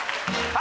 あ！